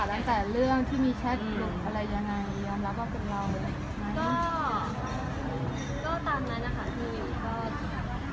หากต่างจากเรื่องที่มีแชทอยู่ยังไงยังรับรักกับเรา